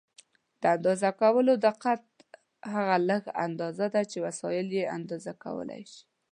د اندازه کولو دقت هغه لږه اندازه ده چې وسایل یې اندازه کولای شي.